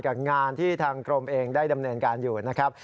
กับงานที่ทางกรมเองได้ดำเนินการอยู่นะครับ